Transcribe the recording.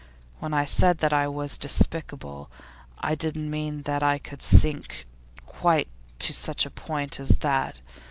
When I said that I was despicable, I didn't mean that I could sink quite to such a point as that.